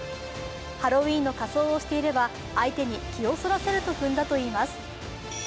ハロウィーンの仮装をしていれば、相手に相手の気をそらせるとふんだとしています。